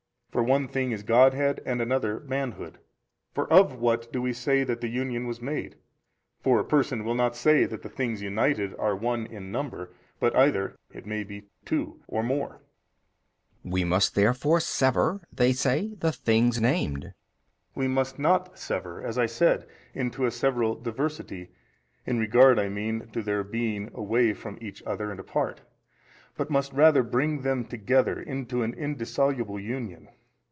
for one thing is Godhead, and another manhood. For of what do we say that the Union was made? for a person will not say that the things united are one in number, but either (it may be) two or more. B. We must therefore sever (they say) the things named. A. We must not sever (as I said) into a several diversity, in regard I mean to their being away from each other and apart, but must rather bring them together into an indissoluble union.